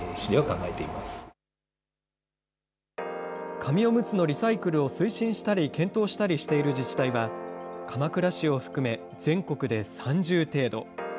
紙おむつのリサイクルを推進したり検討したりしている自治体は、鎌倉市を含め全国で３０程度。